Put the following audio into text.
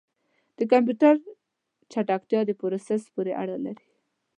د کمپیوټر چټکتیا د پروسیسر پورې اړه لري.